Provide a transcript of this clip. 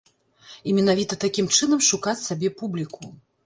І менавіта такім чынам шукаць сабе публіку.